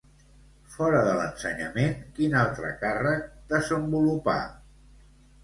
Fora de l'ensenyament, quin altre càrrec desenvolupà?